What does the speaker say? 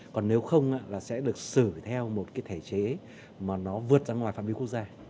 còn nếu không là sẽ được xử theo một cái thể chế mà nó vượt ra ngoài phạm vi quốc gia